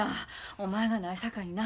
お前がないさかいにな